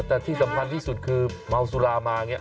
แต่ที่สำคัญที่สุดคือเมาสุรามาอย่างนี้